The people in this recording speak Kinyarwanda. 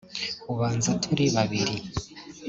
ubanza turi babiri